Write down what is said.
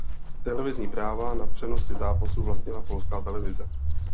Televizní práva na přenosy zápasů vlastnila Polská televize.